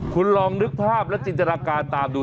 คุณลองนึกภาพและจินตนาการตามดู